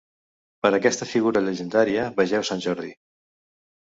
Per a aquesta figura llegendària vegeu Sant Jordi.